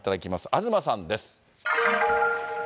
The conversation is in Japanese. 東さんです。